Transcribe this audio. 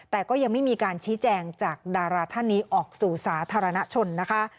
แต่ก็ยังไม่มีการชี้แจงจากดาราท่านนี้ออกสู่สาธารณชนนะคะ